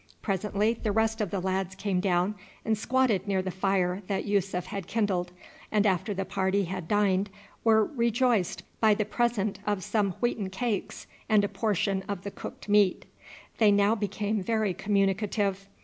Presently the rest of the lads came down and squatted near the fire that Yussuf had kindled, and after the party had dined were rejoiced by the present of some wheaten cakes and a portion of the cooked meat. They now became very communicative.